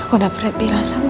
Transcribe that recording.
aku udah berat bilang sama kamu